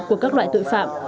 của các loại tội phạm